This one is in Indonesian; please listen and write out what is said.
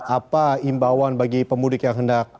apa imbauan bagi pemudik yang hendak